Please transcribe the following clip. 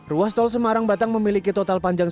ruas tol semarang batang memiliki total panjang